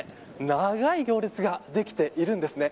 長い行列ができているんですね。